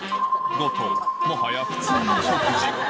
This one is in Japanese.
後藤、もはや、普通の食事。